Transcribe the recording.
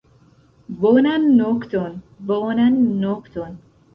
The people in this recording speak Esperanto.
Bonan nokton, bonan nokton.